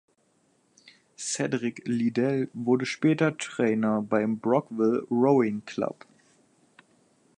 Cedric Liddell wurde später Trainer beim "Brockville Rowing Club".